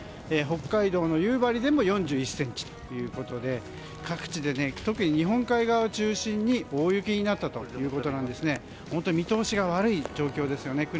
北海道の夕張でも４１ｃｍということで各地で特に日本海側を中心に大雪になったということなんで本当に見通しが悪い状況ですよね。